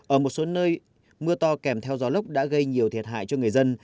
ở một số nơi mưa to kèm theo gió lốc đã gây nhiều thiệt hại cho người dân